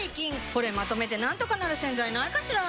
これまとめてなんとかなる洗剤ないかしら？